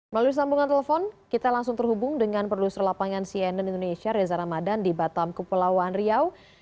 melalui sambungan telepon kita langsung terhubung dengan produser lapangan cnn indonesia reza ramadan di batam kepulauan riau